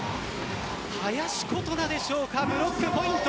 林琴奈でしょうかブロックポイント。